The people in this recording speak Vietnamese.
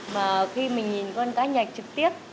mà khi mình nhìn con cá nhạch trực tiếp